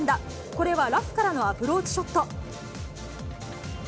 これはラフからのアプローチショット。